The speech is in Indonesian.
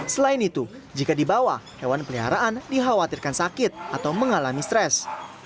selain itu jika dibawa hewan peliharaan dikhawatirkan sakit atau mengalami stres